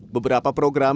beberapa program juga